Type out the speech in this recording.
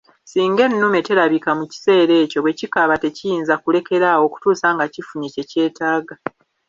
Singa ennume terabika mu kiseera ekyo bwekikaaba tekiyinza kulekeraawo okutuusa nga kifunye kye kyetaaga.